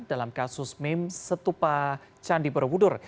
dalam kasus mim setupa candi berwudur